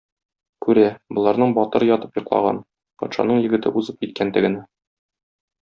Күрә: боларның батыры ятып йоклаган, патшаның егете узып киткән тегене.